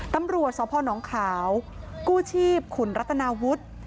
ตำรวจสอบพ่อน้องข่าวกู้ชีพขุนรัฐนาวุฒิ